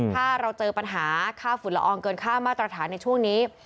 ถ้าเราเจอปัญหาค่าฝุ่นละอองเกินค่ามาตรฐานในช่วงนี้